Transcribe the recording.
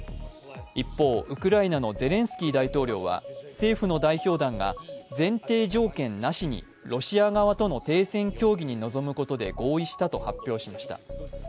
一方、ウクライナのゼレンスキー大統領は、政府の代表団が前提条件なしにロシア側との帝拳協議に臨むことで合意したと発表しました。